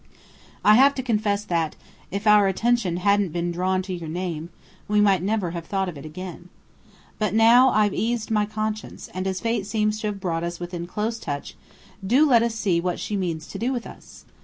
I have to confess that, if our attention hadn't been drawn to your name, we might never have thought of it again. But now I've eased my conscience, and as fate seems to have brought us within close touch, do let us see what she means to do with us.